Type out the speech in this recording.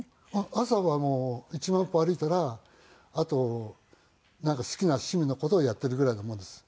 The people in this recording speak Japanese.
朝はもう１万歩歩いたらあとなんか好きな趣味の事をやっているぐらいなもんです。